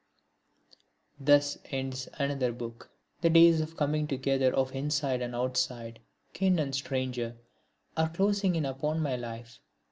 Thus ends another Book. The days of coming together of inside and outside, kin and stranger, are closing in upon my life.